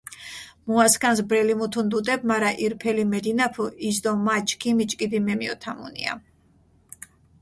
მუასქანს ბრელი მუთუნ დუტებ, მარა ირფელი მედინაფჷ ის დო მა ჩქიმი ჭკიდი მემიჸოთამუნია.